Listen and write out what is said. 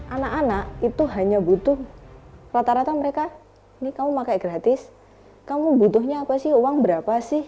anak anak itu hanya butuh rata rata mereka ini kamu pakai gratis kamu butuhnya apa sih uang berapa sih